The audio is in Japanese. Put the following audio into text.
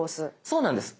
そうなんです。